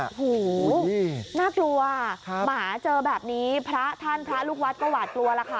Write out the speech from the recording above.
โอ้โหน่ากลัวหมาเจอแบบนี้พระท่านพระลูกวัดก็หวาดกลัวแล้วค่ะ